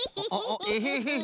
エヘヘヘ。